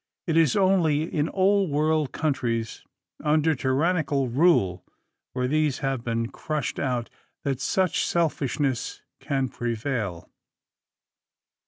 It is only in Old world countries, under tyrannical rule, where these have been crushed out, that such selfishness can prevail.